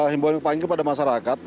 himbawan yang paling kuat pada masyarakat